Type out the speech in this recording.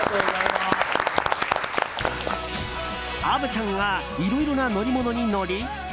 虻ちゃんがいろいろな乗り物に乗り